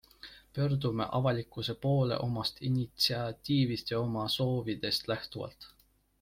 Pöördume avalikkuse poole omast initsiatiivist ja oma soovidest lähtuvalt.